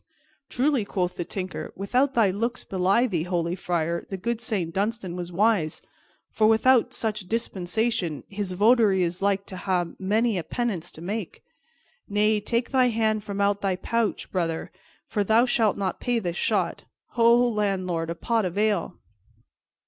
"Truly," quoth the Tinker, "without thy looks belie thee, holy friar, the good Saint Dunstan was wise, for without such dispensation his votary is like to ha' many a penance to make. Nay, take thy hand from out thy pouch, brother, for thou shalt not pay this shot. Ho, landlord, a pot of ale!"